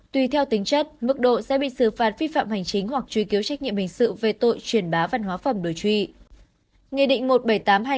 tùy theo tính chất mức độ sẽ bị xử phạt vi phạm hành chính hoặc truy kiếu trách nhiệm hình sự về tội truyền bá văn hóa phòng đối trụy